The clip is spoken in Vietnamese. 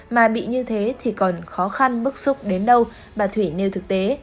mà bị như thế thì còn khó khăn bức xúc đến đâu bà thủy nêu thực tế